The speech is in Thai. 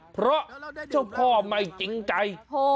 เพราะเจ้าพ่อไม่จริงใจ